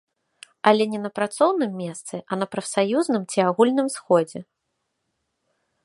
Але не на працоўным месцы, а на прафсаюзным ці агульным сходзе.